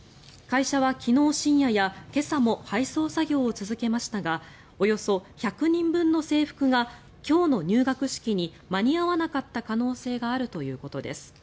会社は昨日深夜や今朝も配送作業を続けましたがおよそ１００人分の制服が今日の入学式に間に合わなかった可能性があるということです。